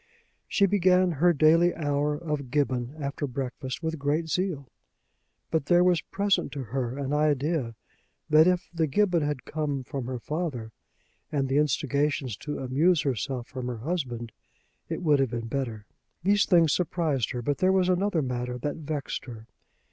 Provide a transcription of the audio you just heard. She began her daily hour of Gibbon after breakfast with great zeal. But there was present to her an idea that if the Gibbon had come from her father, and the instigations to amuse herself from her husband, it would have been better. These things surprised her; but there was another matter that vexed her.